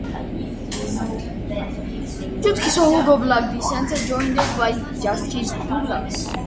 Justice Hugo Black dissented, joined by Justice Douglas.